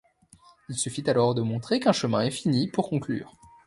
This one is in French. Il suffit alors de montrer qu’un chemin est fini pour conclure.